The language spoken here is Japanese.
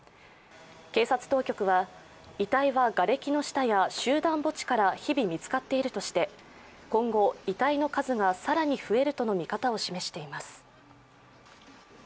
警察当局は、遺体はがれき下や集団墓地から日々見つかっているとして、今後、遺体の数が更に増えるとの見方を示しています。